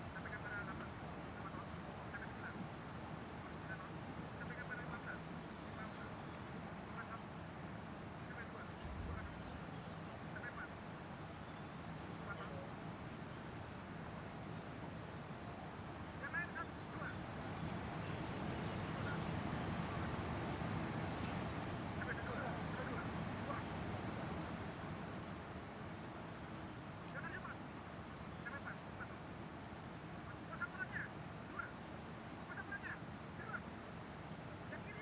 jangan lupa untuk berlangganan dan berlangganan